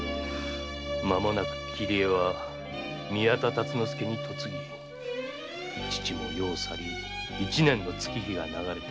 まもなく桐江は宮田達之助に嫁ぎ父も世を去り一年の月日が流れた。